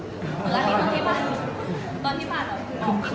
ตอนที่ผ่านอ่ะทั้งวาน